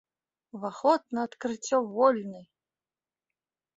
Уваход на адкрыццё вольны!